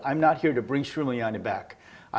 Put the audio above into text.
saya tidak datang untuk membawa sri mulyani kembali